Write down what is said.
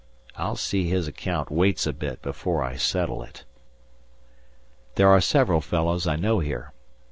I'll see his account waits a bit before I settle it. There are several fellows I know here.